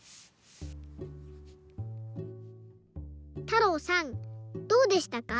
たろうさんどうでしたか？